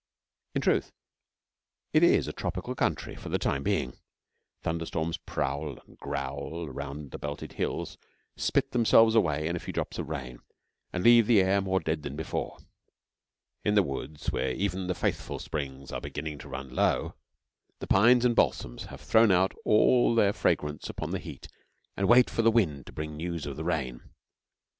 In truth, it is a tropical country for the time being. Thunder storms prowl and growl round the belted hills, spit themselves away in a few drops of rain, and leave the air more dead than before. In the woods, where even the faithful springs are beginning to run low, the pines and balsams have thrown out all their fragrance upon the heat and wait for the wind to bring news of the rain.